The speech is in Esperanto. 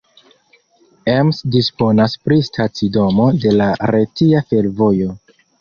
Ems disponas pri stacidomo de la Retia Fervojo.